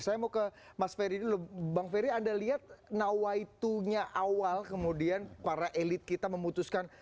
saya mau ke mas ferry dulu bang ferry anda lihat nawaitunya awal kemudian para elit kita memutuskan